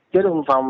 chốt dân phòng